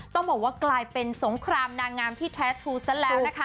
ต้องบอกว่ากลายเป็นสงครามนางงามที่แท้ทูซะแล้วนะคะ